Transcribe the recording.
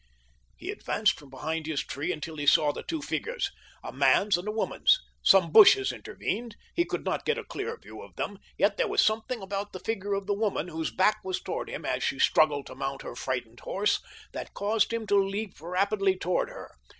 He advanced from behind his tree until he saw the two figures—a man's and a woman's. Some bushes intervened—he could not get a clear view of them, yet there was something about the figure of the woman, whose back was toward him as she struggled to mount her frightened horse, that caused him to leap rapidly toward her.